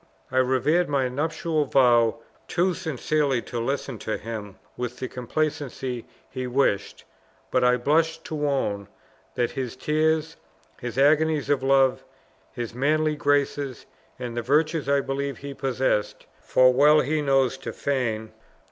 I revered my nuptial vow too sincerely to listen to him with the complacency he wished; but, I blush to own, that his tears, his agonies of love, his manly graces, and the virtues I believed he possessed (for well he knows to feign!)